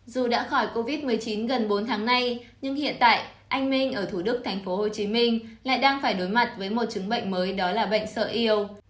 dù đã khỏi covid một mươi chín gần bốn tháng nay nhưng hiện tại anh minh ở thủ đức tp hcm lại đang phải đối mặt với một chứng bệnh mới đó là bệnh sở yo